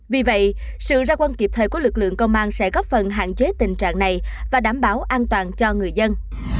vì vậy sự ra quân kịp thời của lực lượng công an sẽ góp phần hạn chế tình trạng này và đảm bảo an toàn cho người dân